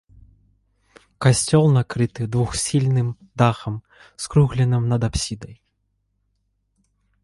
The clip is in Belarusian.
Касцёл накрыты двухсхільным дахам, скругленым над апсідай.